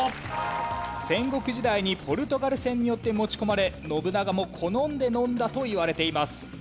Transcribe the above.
戦国時代にポルトガル船によって持ち込まれ信長も好んで飲んだといわれています。